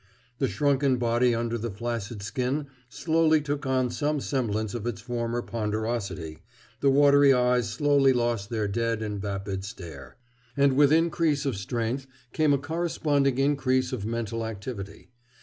The shrunken body under the flaccid skin slowly took on some semblance of its former ponderosity, the watery eyes slowly lost their dead and vapid stare. And with increase of strength came a corresponding increase of mental activity.